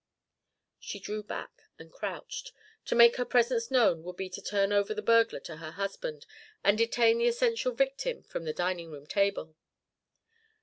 She drew back and crouched. To make her presence known would be to turn over the burglar to her husband and detain the essential victim from the dining room table.